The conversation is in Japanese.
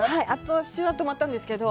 私は泊まったんですけど。